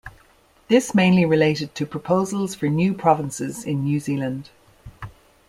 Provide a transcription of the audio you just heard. This mainly related to proposals for new provinces in New Zealand.